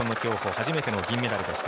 初めての銀メダルでした。